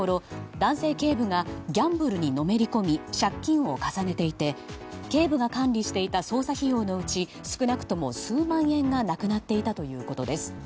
男性警部がギャンブルにのめり込み借金を重ねていて警部が管理していた捜査費用のうち少なくとも数万円がなくなっていたということです。